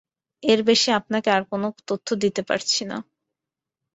এর বেশি আপনাকে আর কোনো তথ্য দিতে পারছি না।